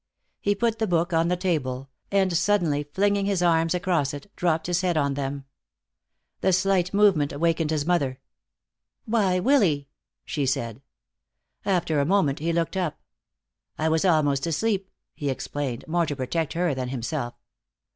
He put the book on the table, and suddenly flinging his arms across it, dropped his head on them. The slight movement wakened his mother. "Why, Willy!" she said. After a moment he looked up. "I was almost asleep," he explained, more to protect her than himself.